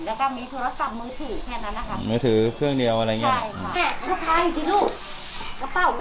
แล้วก็มีโทรศัพท์มือถือแค่นั้นนะคะมือถือเครื่องเดียวอะไรอย่างเงี้ใช่ค่ะ